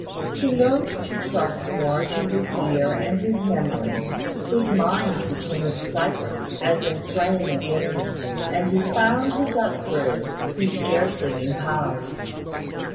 He learned to trust more to his ear and his memory: his mind became excited, as in playing a game: and he found he got through, he scarcely knew how.